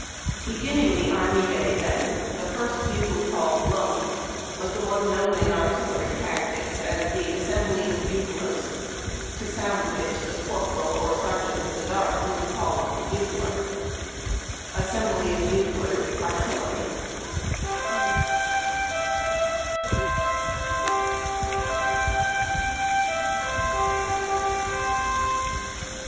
Beginning the army day, then, the first bugle call blown was one known in artillery tactics as the Asmmhly of Bu glers, to sound which the corporal or sergeant of the guard would call up the bugler. Assembly of Buglers (artillery).